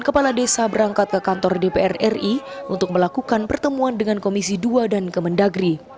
kepala desa berangkat ke kantor dpr ri untuk melakukan pertemuan dengan komisi dua dan kemendagri